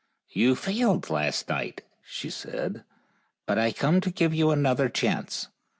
" You failed last night/' she said, " but I come to give you another chance.